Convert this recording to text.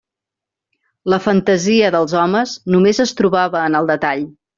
La fantasia dels homes només es trobava en el detall.